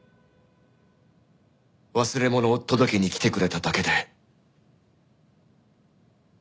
忘れものを届けに来てくれただけで。